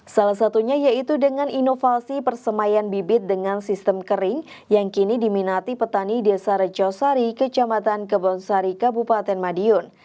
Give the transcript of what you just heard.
salah satunya yaitu dengan inovasi persemaian bibit dengan sistem kering yang kini diminati petani desa reco sari ke jambatan kebun sari kabupaten madiun